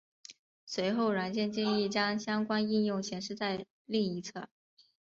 随后软件建议将相关应用显示在另一侧。